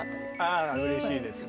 あうれしいですね。